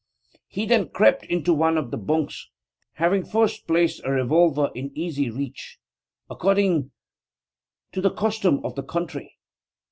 He then crept into one of the 'bunks,' having first placed a revolver in easy reach, according to the custom of the country.